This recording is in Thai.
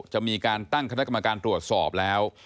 จะมีการตั้งคณะกรรมการตรวจสอบแล้ว